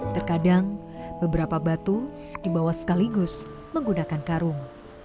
terkadang beberapa batu dibawa sekaligus menggunakan karung